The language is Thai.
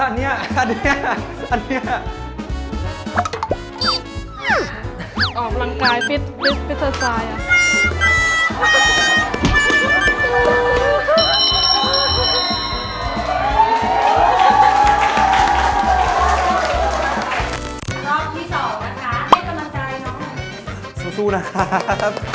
รอบที่๒นะคะด้วยกำลังใจสู้นะครับ